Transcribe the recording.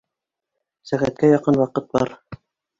Сәғәткә яҡын ваҡыт бар